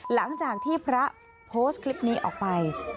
หลังจากที่พระโพสต์คลิปนี้ออกไป